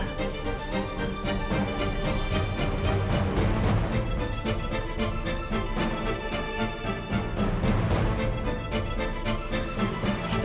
terima kasih mbak